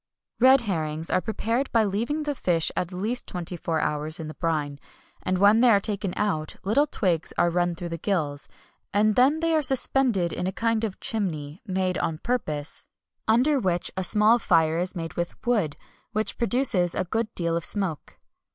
Red herrings are prepared by leaving the fish at least twenty four hours in the brine; and when they are taken out, little twigs are run through the gills, and then they are suspended in a kind of chimney, made on purpose, under which a small fire is made with wood, which produces a good deal of smoke.